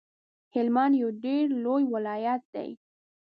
هلمند یو ډیر لوی ولایت دی